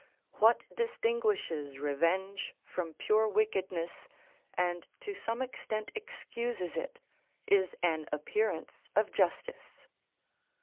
What distinguishes revenge from pure wickedness, and to some extent excuses it, is an appearance of justice.